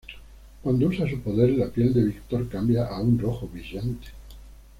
Cuando usa su poder, la piel de Victor cambia a un rojo brillante.